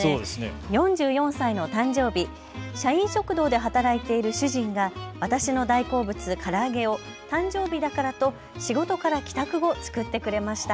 ４４歳の誕生日、社員食堂で働いている主人が私の大好物、から揚げを誕生日だからと仕事から帰宅後作ってくれました。